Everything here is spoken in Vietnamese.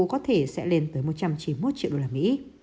có thể sẽ lên tới một trăm chín mươi một triệu usd